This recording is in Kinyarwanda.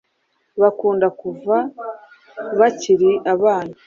bakunda kuva bakiri abana